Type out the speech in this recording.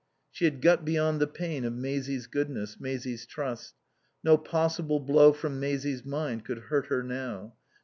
She had got beyond the pain of Maisie's goodness, Maisie's trust. No possible blow from Maisie's mind could hurt her now.